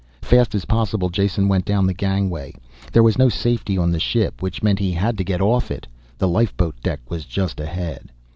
Fast as possible, Jason went down the gangway. There was no safety on the ship, which meant he had to get off it. The lifeboat deck was just ahead.